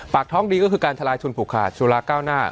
ปากท้องดีก็คือการทลายทุนผูกขาดสุราเก้าหน้า